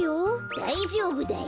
だいじょうぶだよ。